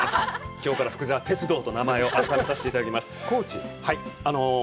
きょうから“福澤鉄道”と名前を改めさせていただきます。